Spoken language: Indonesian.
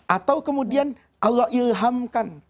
atau kemudian allah ilhamkan